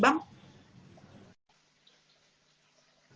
nah sebenarnya itu